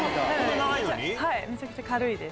はい、めちゃくちゃ軽いです。